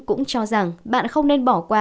cũng cho rằng bạn không nên bỏ qua